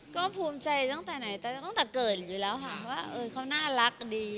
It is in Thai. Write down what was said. ก็ภูมิใจตั้งแต่เกิดอยู่แล้วค่ะเขาน่ารักดี